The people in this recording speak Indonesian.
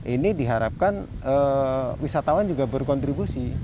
ini diharapkan wisatawan juga berkontribusi